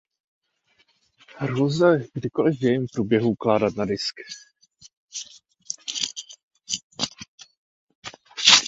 Hru lze kdykoli v jejím průběhu ukládat na disk.